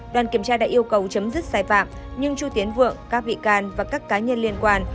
đoàn kiểm tra đã yêu cầu chấm dứt sai phạm nhưng chu tiến vượng các bị can và các cá nhân liên quan